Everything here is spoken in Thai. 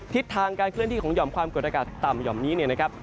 ทิศทางการเคลื่อนที่ของห่อมความกดอากาศต่ำหย่อมนี้เนี่ยนะครับ